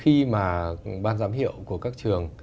khi mà ban giám hiệu của các trường